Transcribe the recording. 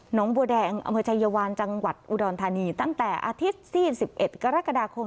หนองบัวแดงอำเภอชายวาลจังหวัดอุดรธานีตั้งแต่อาทิตย์สี่สิบเอ็ดกรกฎาคม